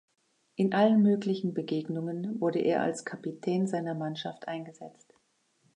In allen möglichen Begegnungen wurde er als Kapitän seiner Mannschaft eingesetzt.